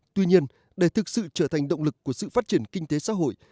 tuy nhiên để thực sự trở thành động lực của sự phát triển kinh tế xã hội